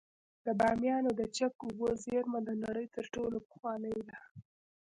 د بامیانو د چک اوبو زیرمه د نړۍ تر ټولو پخوانۍ ده